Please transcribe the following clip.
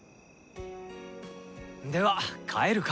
では帰るか。